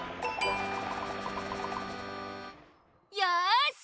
よし！